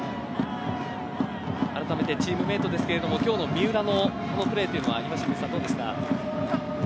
あらためてチームメートですけれども今日の三浦のプレーというのは岩清水さんどうですか。